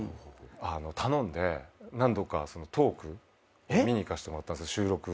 頼んで何度かトーク見にいかしてもらった収録。